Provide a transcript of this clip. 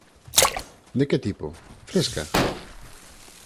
De que tipo? Fresca?